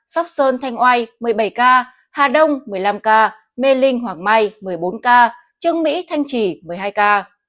sóc sơn thanh oai một mươi bảy ca hà đông một mươi năm ca mê linh hoàng mai một mươi bốn ca trương mỹ thanh trì một mươi hai ca